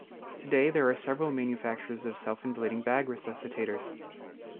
Today there are several manufacturers of self-inflating bag resuscitators.